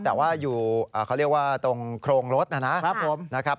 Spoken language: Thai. แต่ว่าอยู่เขาเรียกว่าตรงโครงรถนะครับผมนะครับ